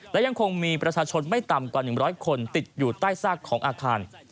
และยังคงมีประชาชนไม่ต่ำกว่า๑๐๐คนติดอยู่ใต้ซากของอาคาร